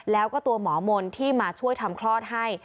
แล้วก็ตัวหมอมนต์ที่มาช่วยทำคลอดให้